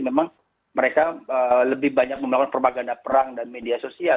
memang mereka lebih banyak melakukan propaganda perang dan media sosial